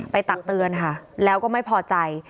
ตักเตือนค่ะแล้วก็ไม่พอใจ